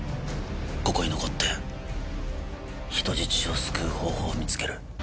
ここに残って人質を救う方法を見つける。